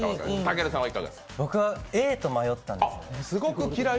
僕はＡと迷ったんですね。